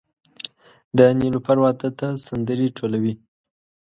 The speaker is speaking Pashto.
د نیلوفر واده ته سندرې ټولوي